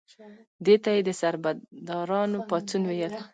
دې ته یې د سربدارانو پاڅون ویل.